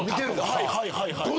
はいはいはいはい。